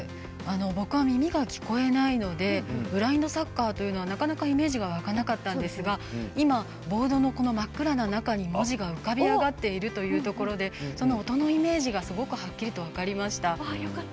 僕は耳が聞こえないのでブラインドサッカーというのはなかなかイメージが湧かなかったんですが今、ボードの真っ暗な中に文字が浮かび上がっているということで音のイメージがすごいはっきりと分かりました。